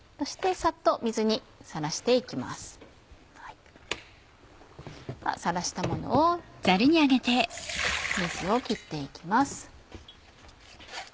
さらしたものを水を切って行きます。